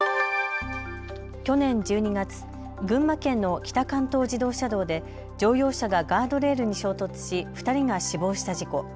去年１２月、群馬県の北関東自動車道で乗用車がガードレールに衝突し２人が死亡した事故。